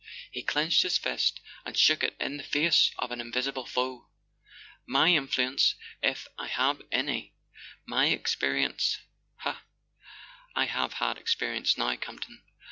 He clenched his fist and shook it in the face of an invisible foe. "My influence, if I have any; my experience—ha, I have had experience now, Campton!